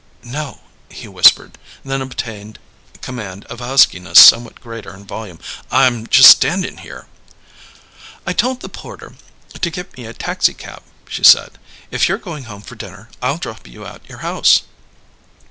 "No," he whispered; then obtained command of a huskiness somewhat greater in volume. "I'm just standing here." "I told the porter to get me a taxicab," she said. "If you're going home for dinner I'll drop you at your house."